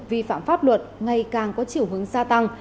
vi phạm pháp luật ngày càng có chiều hướng gia tăng